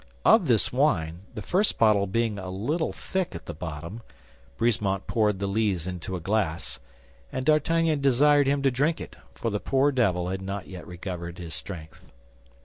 Of this wine, the first bottle being a little thick at the bottom, Brisemont poured the lees into a glass, and D'Artagnan desired him to drink it, for the poor devil had not yet recovered his strength.